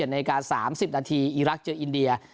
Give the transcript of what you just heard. ๑๗นาฬิกา๓๐นาทีอีรักเจออินเดีย